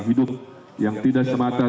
hidup yang tidak semata